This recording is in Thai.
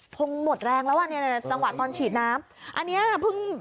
คงหมดแรงแล้วอ่ะเนี่ยจังหวะตอนฉีดน้ำอันเนี้ยเพิ่ง